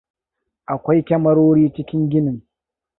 Akwai kyamarori cikin ginin.